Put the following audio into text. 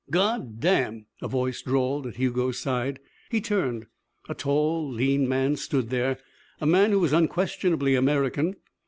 "God damn," a voice drawled at Hugo's side. He turned. A tall, lean man stood there, a man who was unquestionably American.